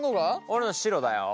俺の白だよ。